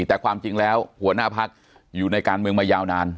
แต่ความจริงแล้วหัวหน้าพักอยู่ในการเมืองมายาวนาน